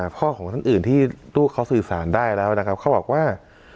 ของท่านอื่นที่ลูกเขาสื่อสารได้แล้วนะครับเขาบอกว่า